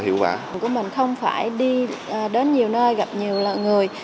viên chức của mình không phải đi đến nhiều nơi gặp nhiều người